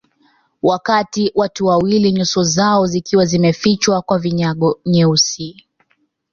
Wakati watu wawili nyuso zao zikiwa zimefichwa kwa vinyago nyeusi